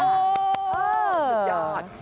โอ้ยยยยอด